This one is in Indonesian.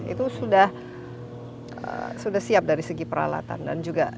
itu sudah siap dari segi peralatan dan juga